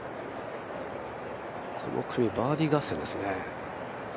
この組、バーディー合戦ですね。